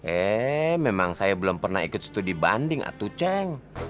eh memang saya belum pernah ikut studi banding atu cheng